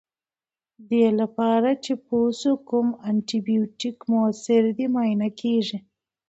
دې لپاره چې پوه شو کوم انټي بیوټیک موثر دی معاینه کیږي.